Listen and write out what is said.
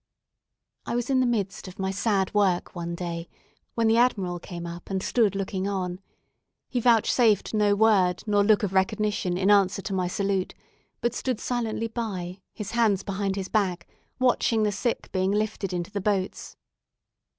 I was in the midst of my sad work one day when the Admiral came up, and stood looking on. He vouchsafed no word nor look of recognition in answer to my salute, but stood silently by, his hands behind his back, watching the sick being lifted into the boats.